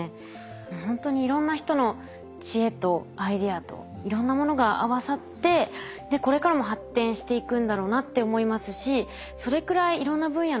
ほんとにいろんな人の知恵とアイデアといろんなものが合わさってこれからも発展していくんだろうなって思いますしそれくらいいろんな分野の人が取り組みたいジャンルなんでしょうね。